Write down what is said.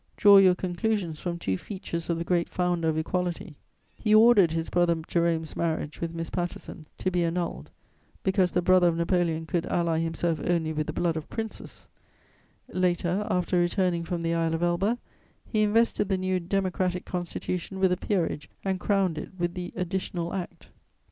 Draw your conclusions from two features of the great founder of equality: he ordered his brother Jerome's marriage with Miss Patterson to be annulled, because the brother of Napoleon could ally himself only with the blood of Princes; later, after returning from the isle of Elba, he invested the new "democratic" constitution with a peerage and crowned it with the "Additional Act."